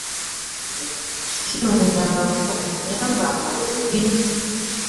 Sinnonyangako annyamba nga wooli.